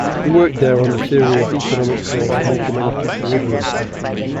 He worked there on the theory of economic growth and economic equilibrium.